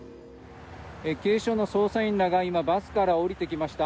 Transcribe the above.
警視庁の捜査員らが今、バスから降りてきました。